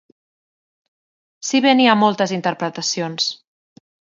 si bé n'hi ha moltes interpretacions